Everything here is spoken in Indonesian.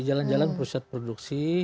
jalan jalan pusat produksi